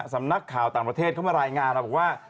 สำนักข่าวต่างประเทศเข้ามารายงานมาบอกว่า